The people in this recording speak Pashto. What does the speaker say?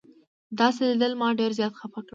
داسې لیدل ما ډېر زیات خفه کړم.